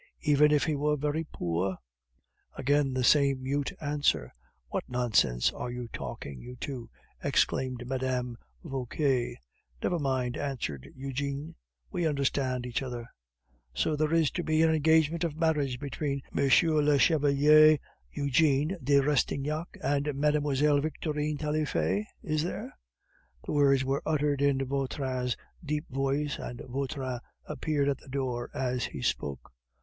"Even if he were very poor?" Again the same mute answer. "What nonsense are you talking, you two?" exclaimed Mme. Vauquer. "Never mind," answered Eugene; "we understand each other." "So there is to be an engagement of marriage between M. le Chevalier Eugene de Rastignac and Mlle. Victorine Taillefer, is there?" The words were uttered in Vautrin's deep voice, and Vautrin appeared at the door as he spoke.